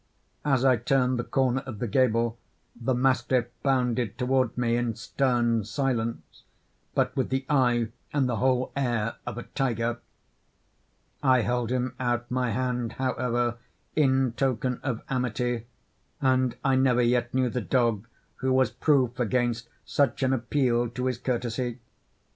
As I turned the corner of the gable, the mastiff bounded towards me in stern silence, but with the eye and the whole air of a tiger. I held him out my hand, however, in token of amity—and I never yet knew the dog who was proof against such an appeal to his courtesy.